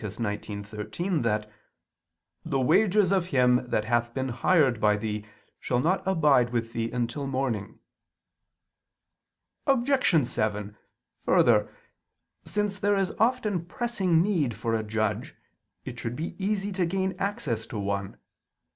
19:13) that "the wages of him that hath been hired by thee shall not abide with thee until morning." Obj. 7: Further, since there is often pressing need for a judge, it should be easy to gain access to one.